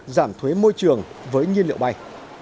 giảm thuế môi trường với nhiên liệu bay